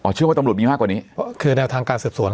เชื่อว่าตำรวจมีมากกว่านี้คือแนวทางการสืบสวน